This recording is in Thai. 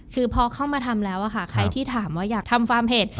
คือพอเข้ามาทำแล้วค่ะใครที่ถามว่าอยากทำฟาร์มเผ็ด